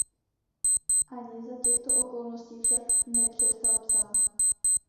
Ani za těchto okolností však nepřestal psát.